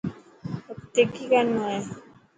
اڳتي ڪئي ڪرڻو هي.